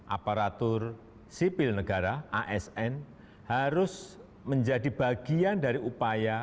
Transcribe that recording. aparatur sipil negara asn harus menjadi bagian dari upaya